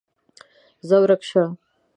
ځه ورک شه!